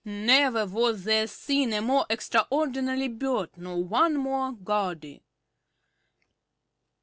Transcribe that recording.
Never was there seen a more extraordinary bird nor one more gaudy.